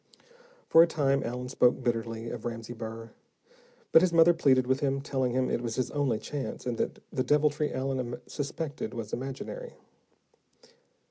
For a time, Allen spoke bitterly of Ramsey Burr, but his mother pleaded with him, telling him it was his only chance, and that the deviltry Allen suspected was imaginary.